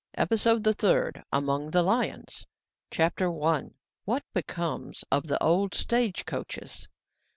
EPISODE THE THIRD, AMONG THE LIONS I. What becomes of the Old Stage coaches.